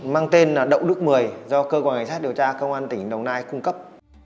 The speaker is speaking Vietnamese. mang tên là đậu đức một mươi do cơ quan kiểm tra công an tỉnh đồng nai cung cấp